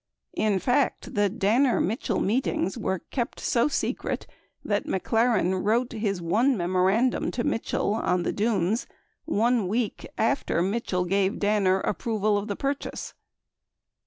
In fact, the Danner Mitchell meetings were kept so secret that McLaren wrote his one memorandum to Mitchell on the Dunes 1 week after Mitchell gave Danner approval of the purchase.